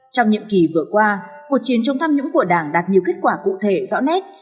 trong nhiệm kỳ vừa qua cuộc chiến chống tham nhũng của đảng đạt nhiều kết quả cụ thể rõ nét